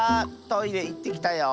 トイレいってきたよ。